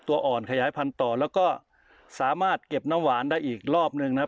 ตัวอ่อนขยายพันธุ์ต่อแล้วก็สามารถเก็บน้ำหวานได้อีกรอบหนึ่งนะครับ